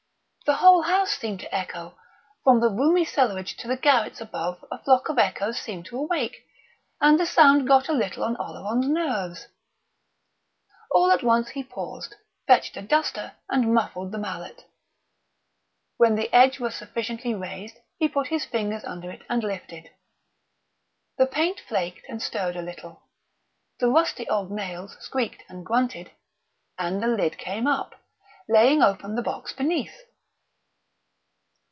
The whole house seemed to echo; from the roomy cellarage to the garrets above a flock of echoes seemed to awake; and the sound got a little on Oleron's nerves. All at once he paused, fetched a duster, and muffled the mallet.... When the edge was sufficiently raised he put his fingers under it and lifted. The paint flaked and starred a little; the rusty old nails squeaked and grunted; and the lid came up, laying open the box beneath.